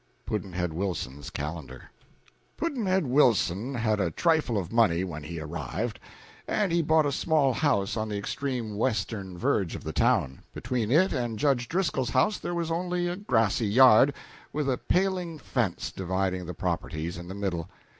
Pudd'nhead Wilson's Calendar. Pudd'nhead Wilson had a trifle of money when he arrived, and he bought a small house on the extreme western verge of the town. Between it and Judge Driscoll's house there was only a grassy yard, with a paling fence dividing the properties in the middle.